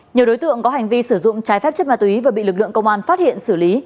nhiều đối tượng có hành vi sử dụng trái phép chất ma túy vừa bị lực lượng công an phát hiện xử lý